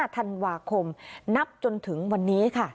ธันวาคมนับจนถึงวันนี้ค่ะ